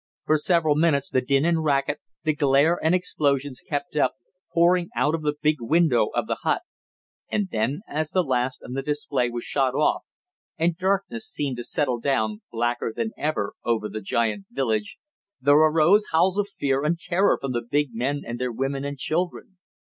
For several minutes the din and racket, the glare and explosions, kept up, pouring out of the big window of the hut. And then, as the last of the display was shot off, and darkness seemed to settle down blacker than ever over the giant village, there arose howls of fear and terror from the big men and their women and children.